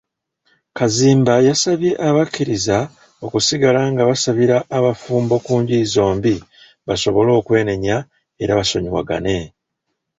Kazimba yasabye abakkiriza okusigala nga basabira abafumbo ku njuyi zombi basobole okwenenya era basonyiwagane.